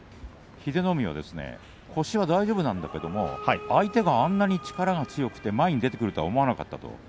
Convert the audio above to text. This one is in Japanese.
英乃海は腰は大丈夫なんだけど相手があんなに力が強くて前に出てくると思わなかった。